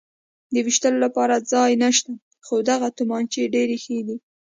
د وېشتلو لپاره ځای نشته، خو دغه تومانچې ډېرې ښې دي.